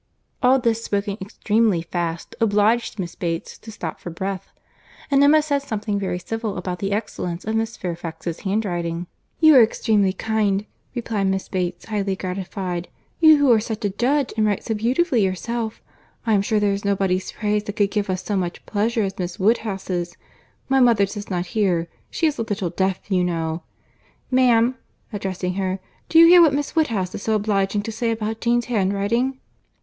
'" All this spoken extremely fast obliged Miss Bates to stop for breath; and Emma said something very civil about the excellence of Miss Fairfax's handwriting. "You are extremely kind," replied Miss Bates, highly gratified; "you who are such a judge, and write so beautifully yourself. I am sure there is nobody's praise that could give us so much pleasure as Miss Woodhouse's. My mother does not hear; she is a little deaf you know. Ma'am," addressing her, "do you hear what Miss Woodhouse is so obliging to say about Jane's handwriting?"